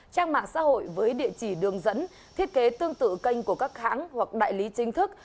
trang mạng xã hội với địa chỉ đường dẫn thiết kế tương tự kênh của các hãng hoặc đại lý chính thức